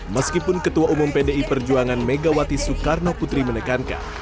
meskipun ketua umum pdi perjuangan megawati soekarno putri menekankan